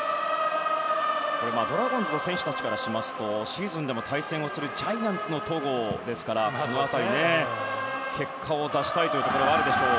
ドラゴンズの選手たちからするとシーズンでも対戦するジャイアンツの戸郷ですからその辺り、結果を出したいところがあるでしょう。